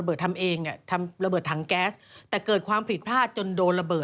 ซึ่งตอน๕โมง๔๕นะฮะทางหน่วยซิวได้มีการยุติการค้นหาที่